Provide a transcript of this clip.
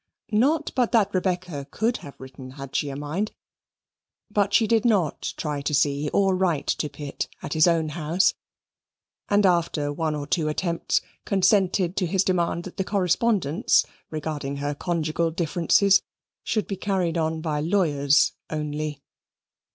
Not but that Rebecca could have written had she a mind, but she did not try to see or to write to Pitt at his own house, and after one or two attempts consented to his demand that the correspondence regarding her conjugal differences should be carried on by lawyers only.